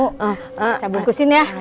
saya bungkusin ya